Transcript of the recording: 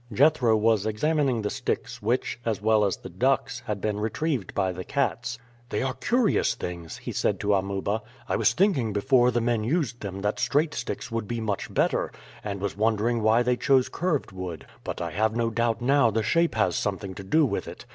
Jethro was examining the sticks which, as well as the ducks, had been retrieved by the cats. "They are curious things," he said to Amuba. "I was thinking before the men used them that straight sticks would be much better, and was wondering why they chose curved wood, but I have no doubt now the shape has something to do with it.